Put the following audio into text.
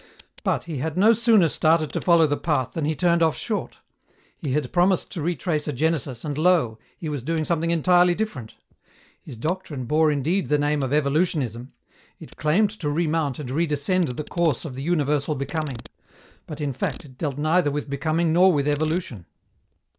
But he had no sooner started to follow the path than he turned off short. He had promised to retrace a genesis, and, lo! he was doing something entirely different. His doctrine bore indeed the name of evolutionism; it claimed to remount and redescend the course of the universal becoming; but, in fact, it dealt neither with becoming nor with evolution.